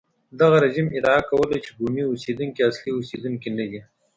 دغه رژیم ادعا کوله چې بومي اوسېدونکي اصلي اوسېدونکي نه دي.